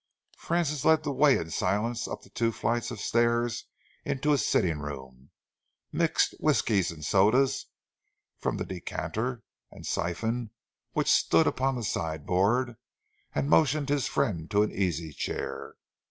Francis led the way in silence up the two flights of stairs into his sitting room, mixed whiskies and sodas from the decanter and syphon which stood upon the sideboard, and motioned his friend to an easy chair.